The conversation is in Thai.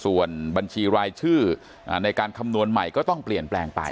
ส่วนบัญชีรายชื่อในการคำนวณใหม่ก็ต้องเปลี่ยนแปลงไป